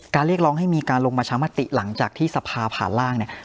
เรียกร้องให้มีการลงประชามติหลังจากที่สภาผ่านร่างเนี่ย